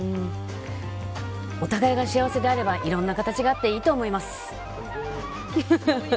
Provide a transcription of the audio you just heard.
お互いが幸せであればいろんな形があっていいと思います。